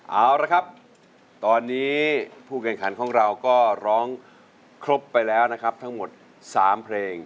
เอาละครับตอนนี้ผู้แข่งขันของเราก็ร้องครบไปแล้วนะครับทั้งหมด๓เพลง